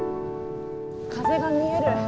風が見える。